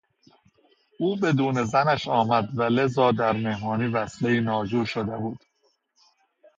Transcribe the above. او بدون زنش آمد و لذا در مهمانی وصلهی ناجوری شده بود.